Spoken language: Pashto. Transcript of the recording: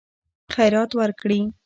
خیرات ورکړي.